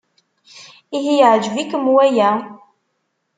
Ihi yeɛjeb-ikem waya?